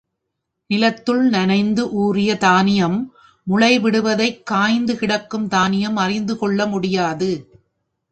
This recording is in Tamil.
நிலத்துள் நனைந்து ஊறிய தானியம் முளை விடுவதைக் காய்ந்து கிடக்கும் தானியம் அறிந்து கொள்ள முடியாது.